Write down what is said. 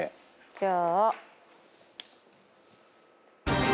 じゃあ。